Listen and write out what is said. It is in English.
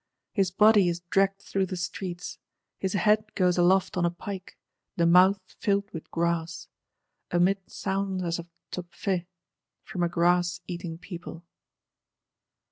His Body is dragged through the streets; his Head goes aloft on a pike, the mouth filled with grass: amid sounds as of Tophet, from a grass eating people.